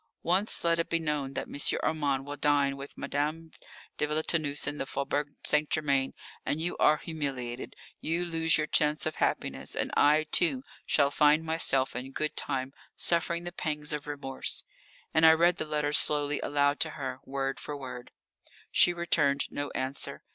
Once let it be known that M. Armand will dine with Madame de Villetaneuse in the Faubourg St. Germain, and you are humiliated, you lose your chance of happiness, and I, too, shall find myself in good time suffering the pangs of remorse," and I read the letter slowly aloud to her, word by word. She returned no answer.